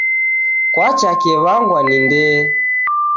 Kwacha kewangwa ni ndee.